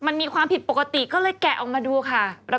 อย่างนี้ก็ได้ด้วยเหรอ